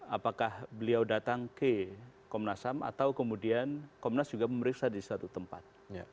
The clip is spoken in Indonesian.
apakah beliau datang ke komnas ham atau kemudian komnas juga memeriksa di suatu tempat